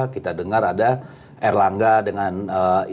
kita dengar ada erlangga dengan ibu